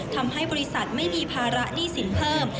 ทำให้บริษัทไม่มีภาระหนี้สินเพิ่ม